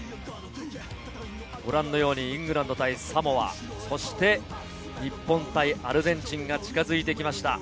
ご覧のようにイングランド対サモア、そして日本対アルゼンチンが近づいてきました。